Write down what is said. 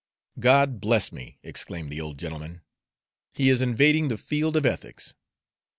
"God bless me!" exclaimed the old gentleman, "he is invading the field of ethics!